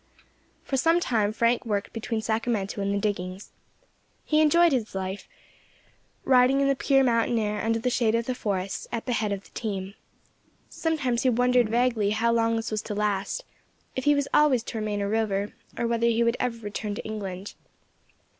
For some time Frank worked between Sacramento and the diggings. He enjoyed the life, riding in the pure mountain air, under the shade of the forests, at the head of the team. Sometimes he wondered vaguely how long this was to last; if he was always to remain a rover, or whether he would ever return to England.